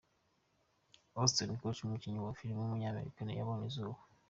Ashton Kutcher, umukinnyi wa filime w’umunyamerika yabonye izuba.